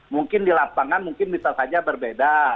mungkin di lapangan mungkin bisa saja berbeda